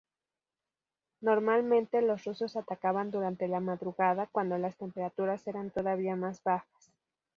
Normalmente los rusos atacaban durante la madrugada, cuando las temperaturas eran todavía más bajas.